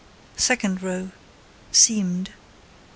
Second row: Seamed.